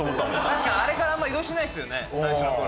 確かにあれからあんま移動してないですよね？